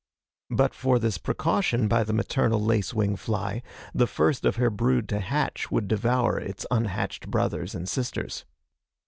But for this precaution by the maternal lace wing fly, the first of her brood to hatch would devour its unhatched brothers and sisters.